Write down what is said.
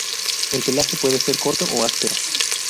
El pelaje puede ser corto o áspero.